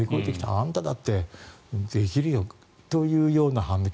あんただってできるよという反応。